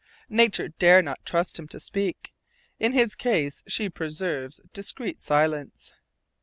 Nature dare not trust him to speak. In his case she preserves discreet silence.